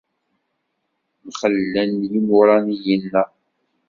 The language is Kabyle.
Mxellen Yirumaniyen-a!